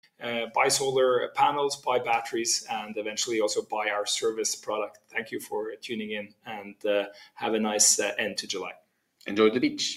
in. Buy solar panels, buy batteries, and eventually also buy our service product. Thank you for tuning in, and, have a nice end to July. Enjoy the beach.